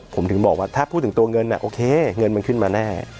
ผมถึงบอกว่าถ้าพูดถึงตัวเงินโอเคเงินมันขึ้นมาแน่